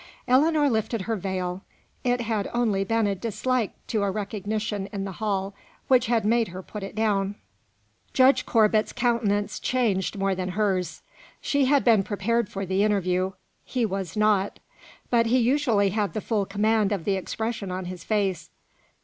Ellinor lifted her veil; it had only been a dislike to a recognition in the hall which had made her put it down. Judge Corbet's countenance changed more than hers; she had been prepared for the interview; he was not. But he usually had the full command of the expression on his face.